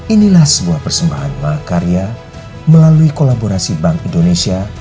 inilah sebuah persembahan malakarya melalui kolaborasi bank indonesia